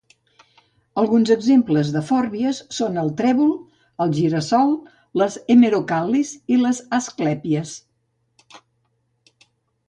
Alguns exemples de fòrbies són el trèvol, el gira-sol, les hemerocal·lis i les asclèpies.